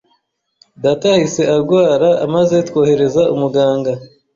Data yahise arwara maze twohereza umuganga.